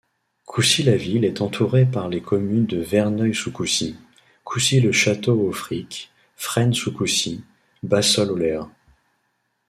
Coucy-la-Ville est entourée par les communes de Verneuil-sous-Coucy, Coucy-le-Château-Auffrique, Fresnes-sous-Coucy, Bassoles-Aulers.